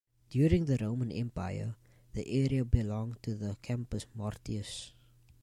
During the Roman empire, the area belonged to the Campus Martius.